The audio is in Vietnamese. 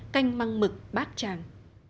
canh măng mực bát tràng